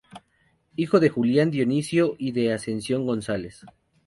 Hijo de Julián Dionisio y de Ascensión González.